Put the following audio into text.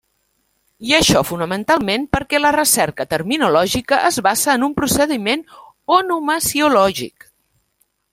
I això fonamentalment perquè la recerca terminològica es basa en un procediment onomasiològic.